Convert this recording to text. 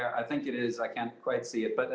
saya pikir ada saya tidak bisa melihatnya